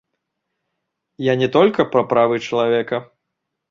Я не толькі пра правы чалавека.